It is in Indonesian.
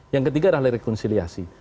yang ketiga adalah rekonsiliasi